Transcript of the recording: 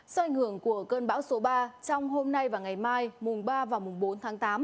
do ảnh hưởng của cơn bão số ba trong hôm nay và ngày mai mùng ba và mùng bốn tháng tám